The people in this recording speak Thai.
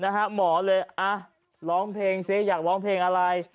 หมอเลยอ่ะร้องเพลงซิอยากร้องเพลงอะไร